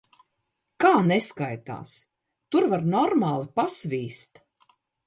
Kā neskaitās? Tur var normāli pasvīst.